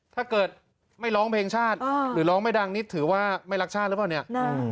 ถ้าเกิดไม่ร้องเพลงชาติหรือร้องไม่ดังนิดถือว่าไม่รักชาติหรือเปล่าเนี่ย